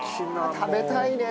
食べたいね。